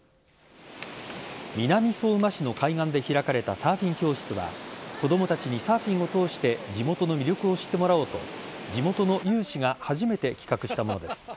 南相馬市の海岸で開かれたサーフィン教室は子供たちにサーフィンを通して地元の魅力を知ってもらおうと地元の有志が初めて企画したものです。